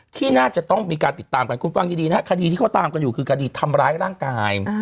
ที่น่าจะต้องมีการติดตามกันคุณฟังดีนะครับคดีที่เขาตามกันอยู่คือคดีทำร้ายร่างกาย